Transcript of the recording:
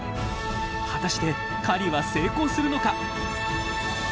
果たして狩りは成功するのか？